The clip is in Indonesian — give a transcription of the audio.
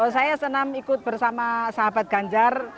saya senam ikut bersama sahabat ganjar